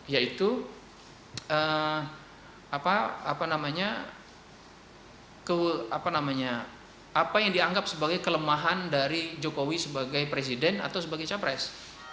yaitu apa yang dianggap sebagai kelemahan dari jokowi sebagai presiden atau sebagai capres